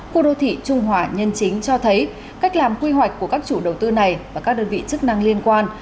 khu đô thị trung hòa nhân chính cho thấy cách làm quy hoạch của các chủ đầu tư này và các đơn vị chức năng liên quan